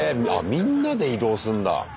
みんなで移動すんだ。